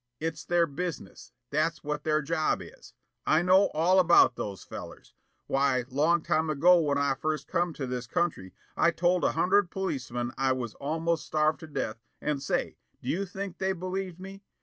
It's their business. That's what their job is. I know all about those fellers. Why, long time ago when I first come to this country, I told a hundred policeman I was almost starved to death and say, do you think they believed me?